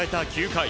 ９回。